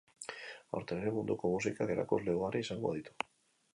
Aurten ere munduko musikak erakusle ugari izango ditu.